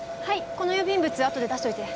この郵便物後で出しといて。